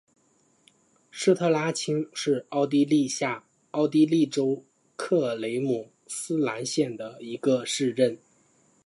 施特拉青是奥地利下奥地利州克雷姆斯兰县的一个市镇。